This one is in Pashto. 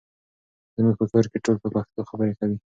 زموږ په کور کې ټول په پښتو خبرې کوي.